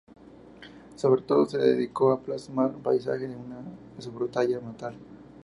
Sobre todo se dedicó a plasmar paisajes de su Bretaña natal.